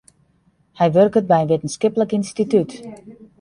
Hy wurket by in wittenskiplik ynstitút.